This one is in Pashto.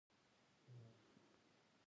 دا دکفارو خبرې به نه راته کيې.